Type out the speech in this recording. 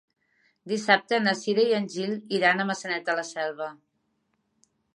Dissabte na Cira i en Gil iran a Maçanet de la Selva.